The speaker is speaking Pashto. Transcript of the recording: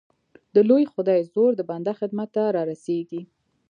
د لوی خدای زور د بنده خدمت ته را رسېږي